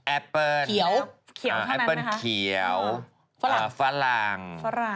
แอปเปิ้ลเขียวเลยนะคะ